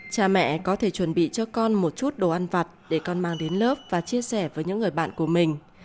cha mẹ có thể chuẩn bị cho con một chút đồ ăn vặt để con mang đến lớp và chia sẻ với những người bạn của mình